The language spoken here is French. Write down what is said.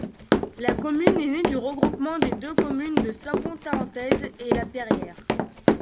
La commune est née du regroupement des deux communes de Saint-Bon-Tarentaise et La Perrière.